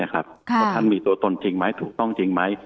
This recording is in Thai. ท่านมีตัวตนจริงไหมถูกต้องจริงไหม